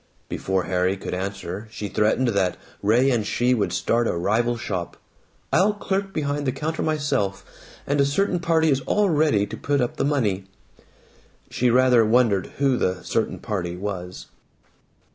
Before Harry could answer she threatened that Ray and she would start a rival shop. "I'll clerk behind the counter myself, and a Certain Party is all ready to put up the money." She rather wondered who the Certain Party was.